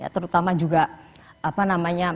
terutama juga apa namanya